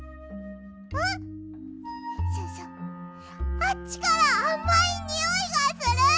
あっちからあまいにおいがする。